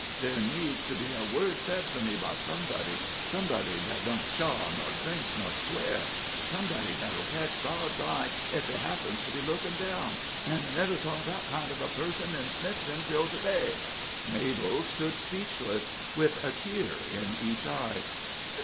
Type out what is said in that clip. Ther needs to be a word said for me by somebody somebody that don't chaw, nor drink, nor swear somebody that'll catch God's eye if He happens to be lookin' down and I never saw that kind of a person in Smithton till to day." Mabel stood speechless, with a tear in each eye.